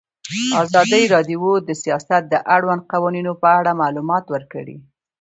ازادي راډیو د سیاست د اړونده قوانینو په اړه معلومات ورکړي.